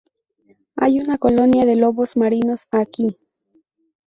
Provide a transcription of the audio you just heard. Hay una colonia de lobos marinos aquí.